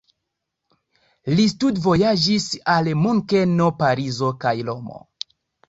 Li studvojaĝis al Munkeno, Parizo kaj Romo.